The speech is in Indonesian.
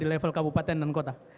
di level kabupaten dan kota